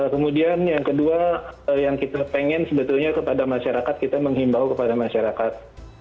kemudian yang kedua yang kita pengen sebetulnya kepada masyarakat kita menghimbau kepada masyarakat